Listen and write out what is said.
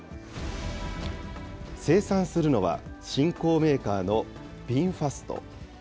生産するのは、新興メーカーのビンファスト。